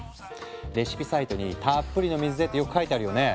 レシピサイトに「たっぷりの水で」ってよく書いてあるよね。